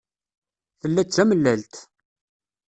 Tella d tamellalt.